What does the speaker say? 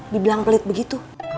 dibilang pelit begitu